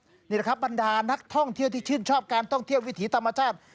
นี่แหละครับบรรดานักท่องเที่ยวที่ชื่นชอบการท่องเที่ยววิถีธรรมชาติ